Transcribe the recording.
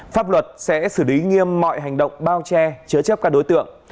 pháp luật sẽ xử lý nghiêm mọi hành động bao che chứa chấp các đối tượng